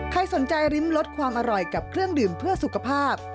ใครสนใจริมรสความอร่อยกับเครื่องดื่มเพื่อสุขภาพ